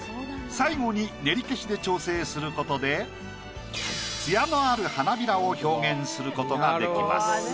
最後に練り消しで調整することで艶のある花びらを表現することができます。